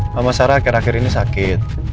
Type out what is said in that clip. mama sarah akhir akhir ini sakit